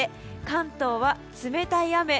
関東は冷たい雨。